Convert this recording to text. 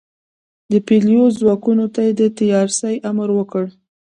د پلیو ځواکونو ته د تیارسئ امر وکړ.